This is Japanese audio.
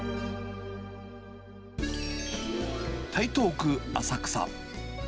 台東区浅草。